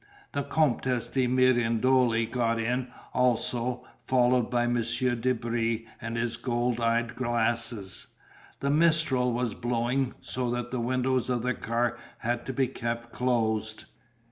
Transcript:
The Comtesse de Mirandole got in, also, followed by Monsieur de Brie and his gold eye glasses. The mistral was blowing so that the windows of the car had to be kept closed.